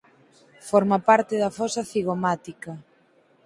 Forma parte da fosa cigomática.